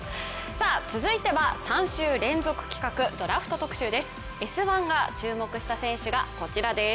続いては３週連続企画ドラフト特集です。